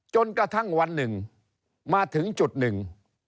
จนกระทั่งวันหนึ่งมาถึงจุดหนึ่ง